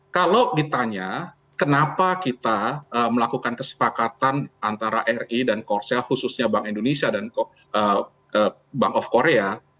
kalau ditanya kenapa kita melakukan kesepakatan antara ri dan korsel khususnya bank indonesia dan bank of korea